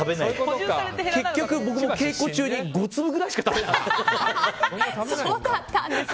結局、僕も稽古中に５粒くらいしか食べなかったです。